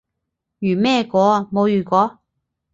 如咩果？冇如果